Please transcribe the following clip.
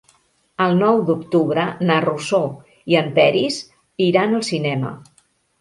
El nou d'octubre na Rosó i en Peris iran al cinema.